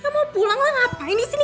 ya mau pulang lah ngapain disini